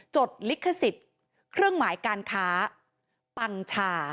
ดลิขสิทธิ์เครื่องหมายการค้าปังชา